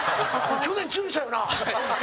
去年、注意したよな！